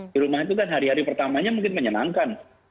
di rumah itu kan hari hari pertamanya mungkin menyenangkan